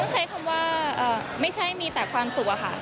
ใช้คำว่าไม่ใช่มีแต่ความสุขอะค่ะ